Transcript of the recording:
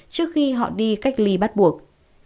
trước khi họ đi cách ly bắt buộc